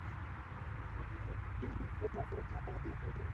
iliyoelekeza kutenda kwa msingi wa nipe nikupe na hakika ya kwamba